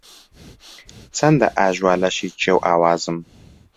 چەندە ئاژوا لەشی کێو ئاوازم